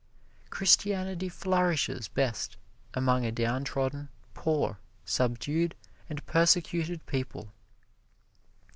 Christianity flourishes best among a downtrodden, poor, subdued and persecuted people.